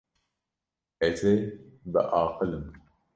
Ez ê bialiqim.